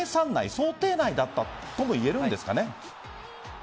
想定内だったとも言えるんですかね？